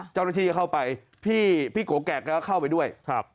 เจ้านาธิเข้าไปพี่โกแก่กเขาก็เข้าไปด้วย